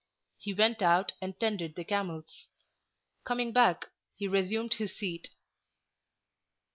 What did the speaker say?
He went out and tended the camels; coming back, he resumed his seat.